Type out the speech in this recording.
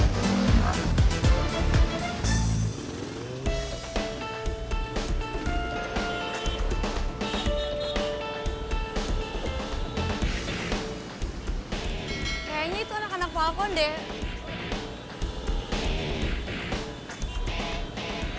kau bisa kembali ke kondek